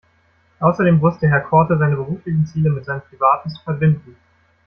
Außerdem wusste Herr Korte seine beruflichen Ziele mit seinen privaten zu verbinden.